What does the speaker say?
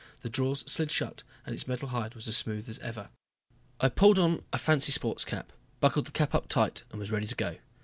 The drawers slid shut and its metal hide was as smooth as ever. I pulled on a fancy sports cap, buckled the cape up tight, and was ready to go.